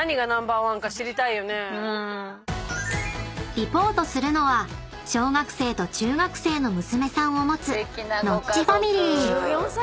［リポートするのは小学生と中学生の娘さんを持つノッチファミリー］